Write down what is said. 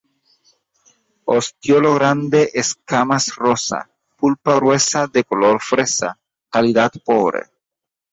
Ostiolo grande, escamas rosa; pulpa gruesa, de color fresa; calidad pobre.